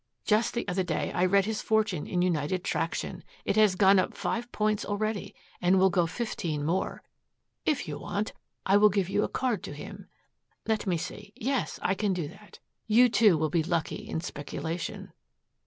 Just the other day I read his fortune in United Traction. It has gone up five points already and will go fifteen more. If you want, I will give you a card to him. Let me see yes, I can do that. You too will be lucky in speculation."